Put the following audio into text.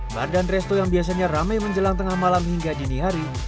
bar dan resto yang biasanya ramai menjelang tengah malam hingga dini hari